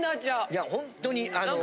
いやホントにあの。